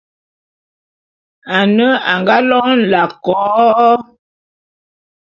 Ane anga lône nlak ko-o-o!